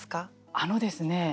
あのですね